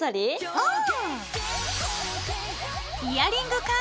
うん。